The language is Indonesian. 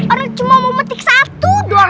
orang cuma mau petik satu doang